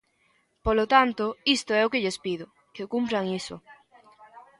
Polo tanto, isto é o que lles pido: que cumpran iso.